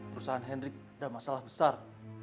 perusahaan hendrik ada masalah besar